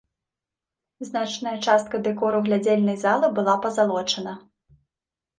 Значная частка дэкору глядзельнай залы была пазалочана.